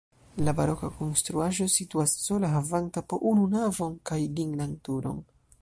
La baroka konstruaĵo situas sola havanta po unu navon kaj lignan turon.